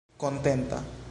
kontenta